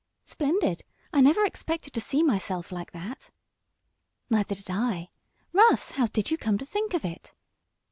"Splendid! I never expected to see myself like that." "Neither did I. Russ, how did you come to think of it?"